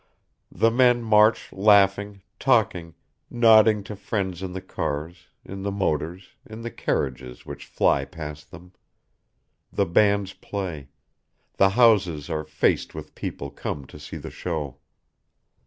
The men march laughing, talking, nodding to friends in the cars, in the motors, in the carriages which fly past them; the bands play; the houses are faced with people come to see the show.